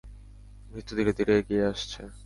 মৃত্যু ধীরে ধীরে এগিয়ে আসছে!